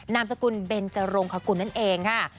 นามสกุลเบนจรงคกุลนั่นเองค่ะ